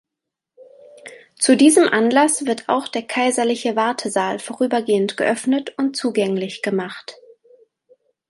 Zu diesem Anlass wird auch der kaiserliche Wartesaal vorübergehend geöffnet und zugänglich gemacht.